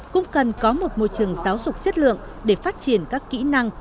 cũng cần có một môi trường giáo dục chất lượng để phát triển các kỹ năng